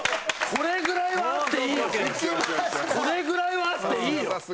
これぐらいはあっていいよ。